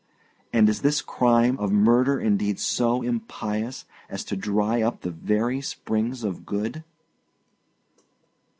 And is this crime of murder indeed so impious as to dry up the very springs of good?"